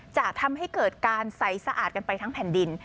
จะทำให้เกิดการใสสะอาดกันไปทั้งแผ่นดิน